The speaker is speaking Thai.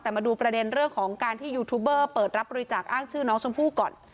แต่มาดูประเด็นเรื่องของการที่ยูทูบเบอร์เปิดรับบริจาคอ้างชื่อน้องชมพู่ก่อน